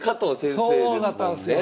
そうだったんですよね。